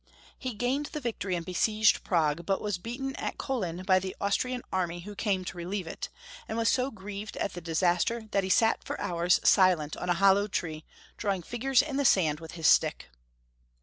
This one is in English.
He gained the victory and besieged Prague, but was beaten at Kollin by the Austrian army who came to relieve it, and was so grieved at the disaster that he sat for hours silent Franz I. 407 on a hoUow tree, drawing figures in the sand with his stick.